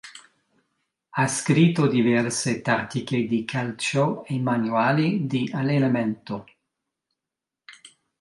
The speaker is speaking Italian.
Ha scritto diverse tattiche di calcio e manuali di allenamento.